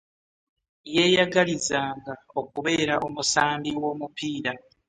Yeyagalizanga okubera omusambi w'omupiira .